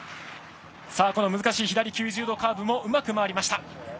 この難しい、左９０度カーブもうまく回りました。